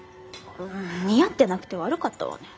似合ってなくて悪かったわね。